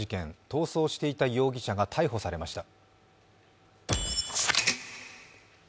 逃走していた容疑者が逮捕されました。